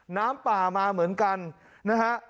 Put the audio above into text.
น้ำป่ามาเหมือนกันนะฮะ